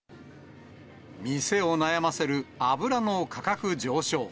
店を悩ませる油の価格上昇。